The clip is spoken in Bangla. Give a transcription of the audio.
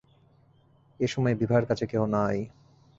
এ-সময়ে বিভার কাছে কেহ নাই।